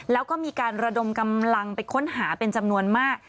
แล้วก็มีการระดมกำลังไปค้นหาเป็นจำนวนมาก